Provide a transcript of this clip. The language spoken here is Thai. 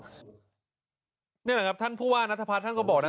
นี่แหละครับท่านผู้ว่านัทพัฒน์ท่านก็บอกนะ